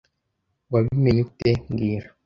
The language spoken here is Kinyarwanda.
Wabimenye ute mbwira